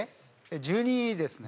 １２ですね。